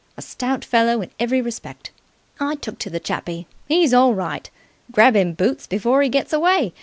A stout fellow in every respect. I took to the chappie. He's all right. Grab him, Boots, before he gets away.